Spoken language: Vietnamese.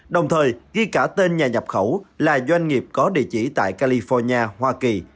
đồng thời ghi cả tên nhà nhập khẩu là doanh nghiệp có địa chỉ tại california hoa kỳ